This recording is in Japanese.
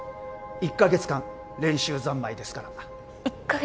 １カ月間練習三昧ですから１カ月？